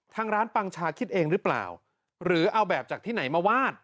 ทางร้านปังชาคิดเองหรือเปล่าหรือเอาแบบจากที่ไหนมาวาด